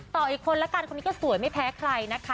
ต่ออีกคนละกันคนนี้ก็สวยไม่แพ้ใครนะคะ